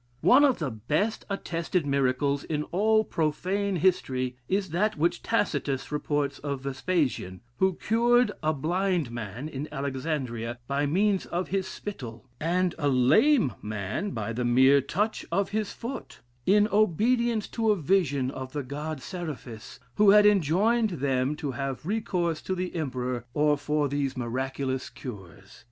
One of the best attested miracles in all profane history, is that which Tacitus reports of Vespasian, who cured a blind man in Alexandria by means of his spittle, and a lame man by the mere touch of his foot; in obedience to a vision of the god Seraphis, who had enjoined them to have recourse to the emperor for these miraculous cures.